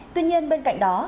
tuy nhiên bên cạnh đó